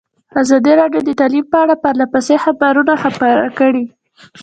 ازادي راډیو د تعلیم په اړه پرله پسې خبرونه خپاره کړي.